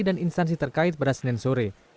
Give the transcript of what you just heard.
dan instansi terkait pada senin sore